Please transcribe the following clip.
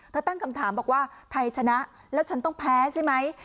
ตั้งคำถามบอกว่าไทยชนะแล้วฉันต้องแพ้ใช่ไหม